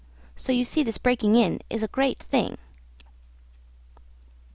So you see this breaking in is a great thing.